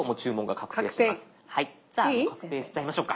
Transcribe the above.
確定いい？確定しちゃいましょうか。